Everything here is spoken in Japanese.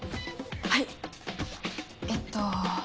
はいえっと。